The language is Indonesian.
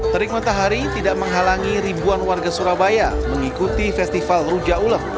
terik matahari tidak menghalangi ribuan warga surabaya mengikuti festival rujak ulek